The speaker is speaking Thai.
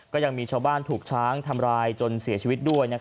ก็ยังมีชาวบ้านถูกช้างทำร้ายจนเสียชีวิตด้วย